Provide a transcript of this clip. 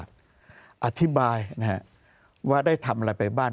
อธิบายนะฮะว่าได้ทำอะไรไปบ้าง